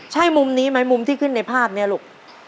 ใช่มุมนี้ไหมมุมที่ขึ้นในภาพนี้ลูก